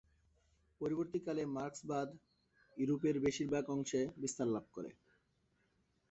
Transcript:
পরবর্তীকালে মার্কসবাদ ইউরোপের বেশিরভাগ অংশে বিস্তার লাভ করে।